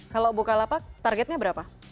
kalau bukalapak targetnya berapa